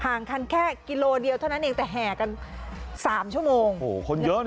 คันแค่กิโลเดียวเท่านั้นเองแต่แห่กันสามชั่วโมงโอ้โหคนเยอะนะ